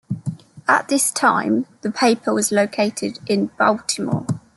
At this time, the paper was located in Baltimore.